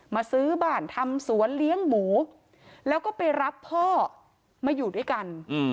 ซื้อบ้านทำสวนเลี้ยงหมูแล้วก็ไปรับพ่อมาอยู่ด้วยกัน